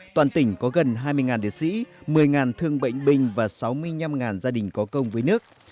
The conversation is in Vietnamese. toàn tỉnh có gần hai mươi liệt sĩ một mươi thương bệnh binh và sáu mươi năm gia đình có công với nước